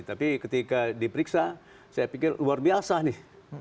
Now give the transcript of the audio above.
tapi ketika diperiksa saya pikir luar biasa nih